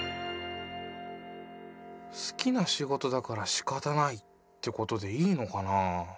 好きな仕事だからしかたないってことでいいのかなぁ。